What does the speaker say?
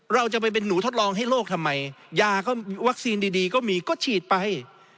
เราจะไปเป็นหนูทดลองให้โลกทำไมยาก็วัคซีนดีก็มีก็ฉีดไป